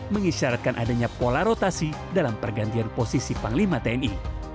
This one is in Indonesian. mengisyaratkan adanya pola rotasi dalam pergantian posisi panglima tni